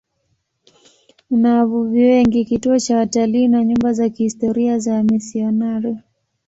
Una wavuvi wengi, kituo cha watalii na nyumba za kihistoria za wamisionari.